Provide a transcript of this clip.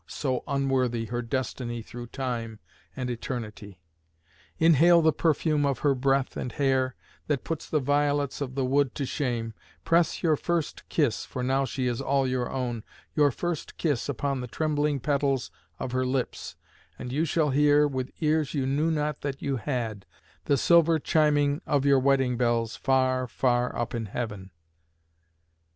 so unworthy, her destiny through time and eternity. Inhale the perfume of her breath and hair, that puts the violets of the wood to shame; press your first kiss (for now she is all your own), your first kiss upon the trembling petals of her lips, and you shall hear, with ears you knew not that you had, the silver chiming of your wedding bells far, far up in heaven.